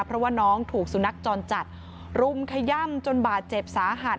เพราะว่าน้องถูกสุนัขจรจัดรุมขย่ำจนบาดเจ็บสาหัส